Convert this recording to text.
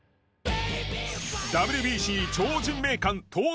ＷＢＣ超人名鑑投手編。